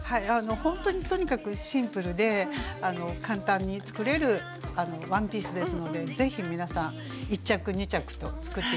ほんとにとにかくシンプルで簡単に作れるワンピースですので是非皆さん１着２着と作って頂きたいと思います。